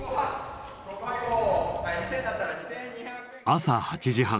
朝８時半。